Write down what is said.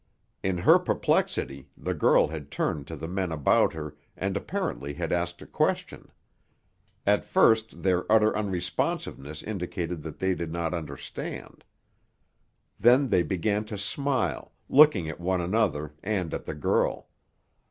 In her perplexity the girl had turned to the men about her and apparently had asked a question. At first their utter unresponsiveness indicated that they did not understand. Then they began to smile, looking at one another and at the girl.